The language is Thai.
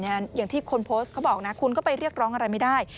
อย่างที่คนโพสต์เขาบอกนะคุณก็ไปเรียกร้องอะไรไม่ได้